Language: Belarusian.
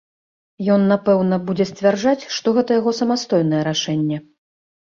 Ён, напэўна, будзе сцвярджаць, што гэта яго самастойнае рашэнне.